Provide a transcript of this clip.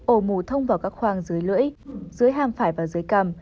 ổ mũ thông vào các khoang dưới lưỡi dưới hàm phải và dưới cằm